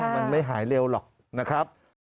มันไม่หายเร็วหรอกนะครับ